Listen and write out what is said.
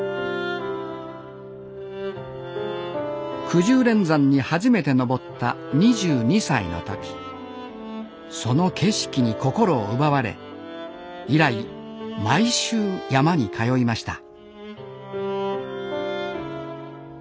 くじゅう連山に初めて登った２２歳の時その景色に心を奪われ以来毎週山に通いました